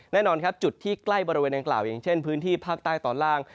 แน่นอนครับจุดที่ใกล้บริเวณดังกล่าวอย่างเช่นพื้นที่ภาคใต้ตอนล่าง